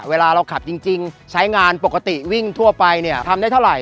เวลาเราขับจริงใช้งานปกติวิ่งทั่วไปเนี่ยทำได้เท่าไห